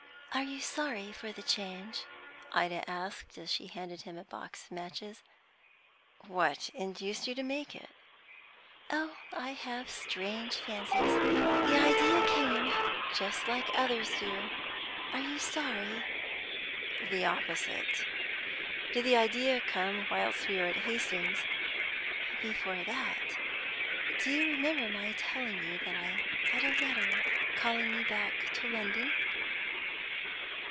"Are you sorry for the change?" Ida asked, as she handed him a box of matches. "What induced you to make it?" "Oh, I have strange fancies. The idea came, just like others do. Are you sorry?" "The opposite. Did the idea come whilst we were at Hastings?" "Before that. Do you remember my telling you that I had a letter calling me back to London?"